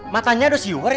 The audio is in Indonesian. matanya udah siur ya